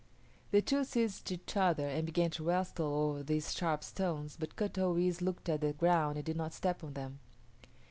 The two seized each other and began to wrestle over these sharp stones, but Kut o yis´ looked at the ground and did not step on them.